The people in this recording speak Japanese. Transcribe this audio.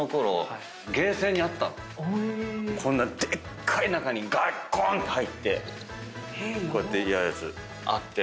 こんなでっかい中にガッコン！って入ってこうやってやるやつあって。